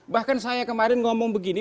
bahkan saya kemarin ngomong begini